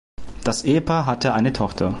Das Ehepaar hatte eine Tochter.